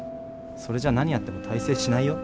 それじゃ何やっても大成しないよ。